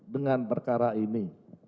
dengan perkara ini